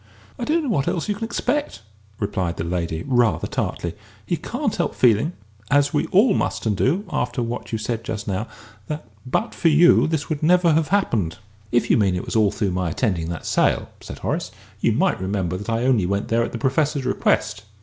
"I don't know what else you can expect," replied the lady, rather tartly; "he can't help feeling as we all must and do, after what you said just now that, but for you, this would never have happened!" "If you mean it was all through my attending that sale," said Horace, "you might remember that I only went there at the Professor's request.